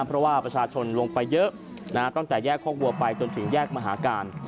เพราะว่าประชาชนลงไปเยอะตั้งแต่แยกโคกบัวไปจนถึงแยกมหาการ